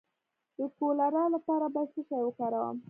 د کولرا لپاره باید څه شی وکاروم؟